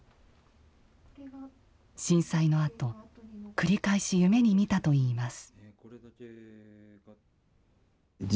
震災のあと繰り返し夢に見たといいます。